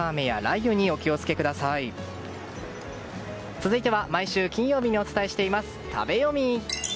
続いては毎週金曜日にお伝えしています、食べヨミ。